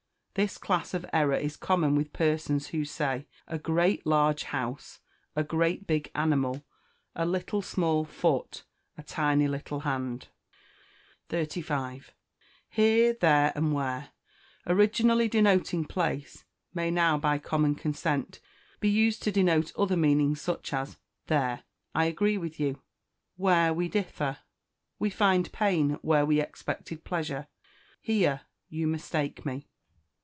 This class of error is common with persons who say, "A great large house," "A great big animal," "A little small foot," "A tiny little hand." 35. Here, there, and where, originally denoting place, may now, by common consent, he used to denote other meanings; such as, "There I agree with you," "Where we differ," "We find pain where we expected pleasure," "Here you mistake me."